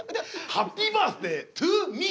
ハッピーバースデートゥーミー！